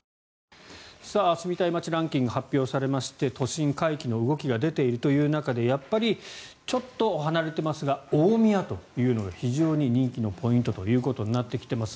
住みたい街ランキング発表されまして都心回帰の動きが出ているという中でやっぱりちょっと離れてますが大宮というのが非常に人気のポイントとなってきています。